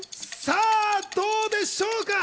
どうでしょうか？